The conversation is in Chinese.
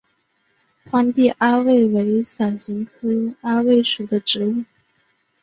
荒地阿魏为伞形科阿魏属的植物。